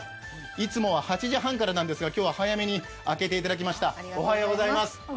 いつもは８時半からなんですが今日は早めに開けていただきました。